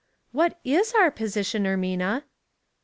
" What is our position, Ermina?"